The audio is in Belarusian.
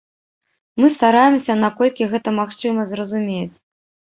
Мы стараемся, наколькі гэта магчыма, зразумець.